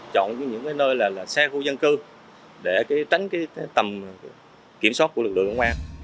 chọn những nơi là xe khu dân cư để tránh cái tầm kiểm soát của lực lượng công an